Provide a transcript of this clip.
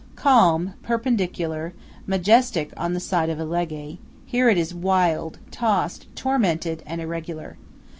Calm, perpendicular, majestic on the side of Alleghe, here it is wild, tossed, tormented, and irregular.